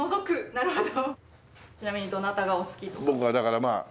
なるほど。